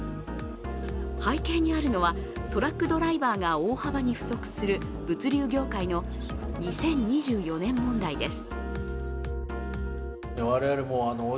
背景にあるのはトラックドライバーが大幅に不足する物流業界の２０２４年問題です。